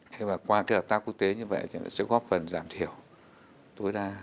thế mà qua hợp tác quốc tế như vậy thì sẽ góp phần giảm thiểu tối đa